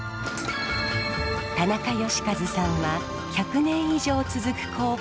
田中義一さんは１００年以上続く工房の鍛冶職人。